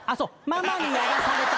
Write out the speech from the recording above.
ママにやらされた？